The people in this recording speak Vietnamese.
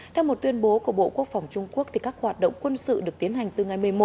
theo một tuyên bố của bộ quốc phòng trung quốc các hoạt động quân sự được tiến hành từ ngày một mươi một